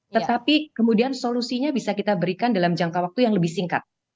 tetapi kemudian solusinya bisa kita berikan dalam jangka waktu yang lebih singkat